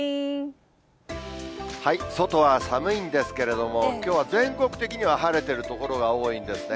外は寒いんですけれども、きょうは全国的には晴れてる所が多いんですね。